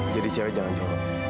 jadi cewek jangan colok